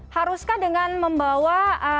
haruskah dengan membawa